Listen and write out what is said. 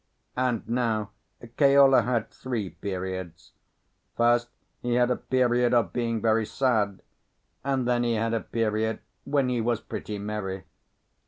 And now Keola had three periods. First he had a period of being very sad, and then he had a period when he was pretty merry.